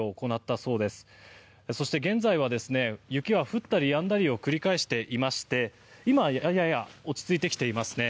そして現在は、雪は降ったりやんだりを繰り返していまして今はやや落ち着いてきています。